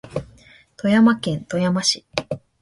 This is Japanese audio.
富山県富山市